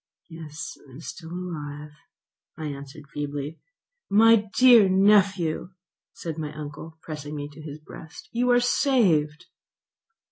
"Yes, I am still alive," I answered feebly. "My dear nephew," said my uncle, pressing me to his breast, "you are saved."